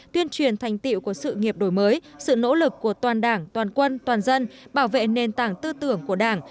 tuyên truyền thành tiệu của sự nghiệp đổi mới sự nỗ lực của toàn đảng toàn quân toàn dân bảo vệ nền tảng tư tưởng của đảng